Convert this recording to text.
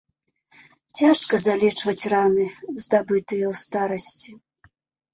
Цяжка залечваць раны, здабытыя ў старасці.